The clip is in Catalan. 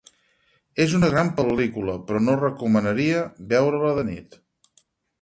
És una gran pel·lícula, però no recomanaria veure-la de nit.